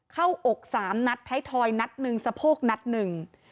เข้าอก๓นัฏถ้ายทรอยนัฏหนึ่งสโภกนัฏหนึ่ง